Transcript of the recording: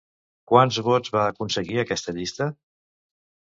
Quants vots va aconseguir aquesta llista?